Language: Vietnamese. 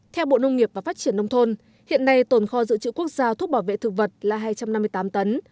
theo bộ nông nghiệp và phát triển nông thôn hiện nay tồn kho dự trữ quốc gia thuốc bảo vệ thực vật là hai trăm năm mươi tám tấn